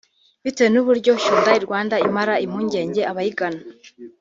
Bitewe n’uburyo Hyundai Rwanda imara impungenge abayigana